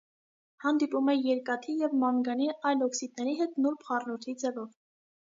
Հանդիպում է երկաթի և մանգանի այլ օքսիդների հետ նուրբ խառնուրդի ձևով։